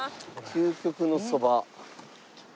究極のそば。